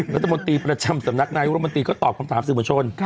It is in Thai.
รัฐมนตรีประจำสำนักนายกรมนตรีก็ตอบคำถามสื่อมวลชน